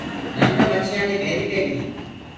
ڍنڊ مڇيآنٚ دي ڀيري پيڙي هي۔